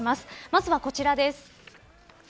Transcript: まずは、こちらです。